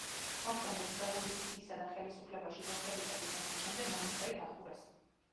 ოქტომბრის რევოლუციისა და ხელისუფლებაში ბოლშევიკების მოსვლის შემდეგ მონასტერი დახურეს.